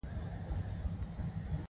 څو دقیقې وروسته د قدمونو غږ مې واورېد